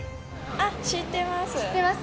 あっ、知ってます。